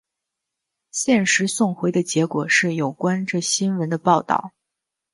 现时送回的结果是有关这新闻的报道。